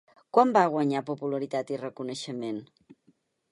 Quan va guanyar popularitat i reconeixement?